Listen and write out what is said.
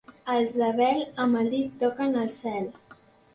Els de Bel, amb el dit toquen al cel.